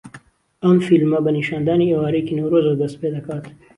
ئەم فیلمە بە نیشاندانی ئێوارەیەکی نەورۆزەوە دەست پێدەکات